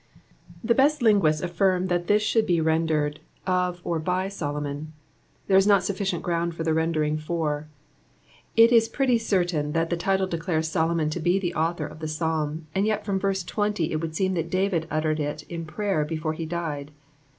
— 77i« best linguists affirm Uiai this should be rendered, of or by Oolcmion. Tfiere is not sufficient ground for the rendering for. Ji is pretty certain tftcU the tUle declares Solomon to be Ute autfior of the Psalm, and yet from verse 20 it would seem tiiai David uttered it in prayer before he died.